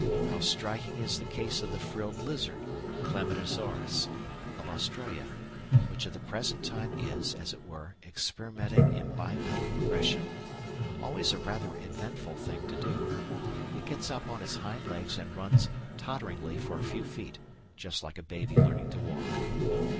How striking is the case of the frilled lizard (Chlamydosaurus) of Australia, which at the present time is, as it were, experimenting in bipedal progression always a rather eventful thing to do. It gets up on its hind legs and runs totteringly for a few feet, just like a baby learning to walk.